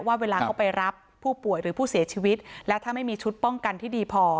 ว่าเวลาเขาไปรับผู้ป่วยหรือผู้เสียชีวิตและถ้าไม่มีชุดป้องกันที่ดีพอ